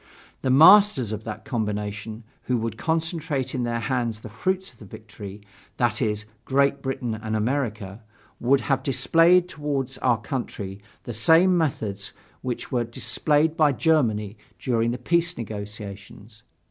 The masters of that combination, who would concentrate in their hands the fruits of the victory, that is, Great Britain and America, would have displayed toward our country the same methods which were displayed by Germany during the peace negotiations.